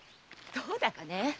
どうだかね？